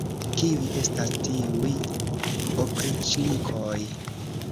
Kiuj estas tiuj opriĉnikoj!